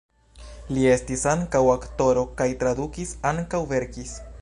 Li estis ankaŭ aktoro kaj tradukis, ankaŭ verkis.